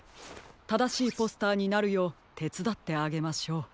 ただしいポスターになるようてつだってあげましょう。